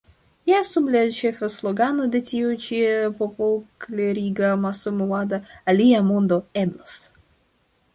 Ja sub la ĉefa slogano de tiu ĉi popolkleriga amasmovado Alia mondo eblas!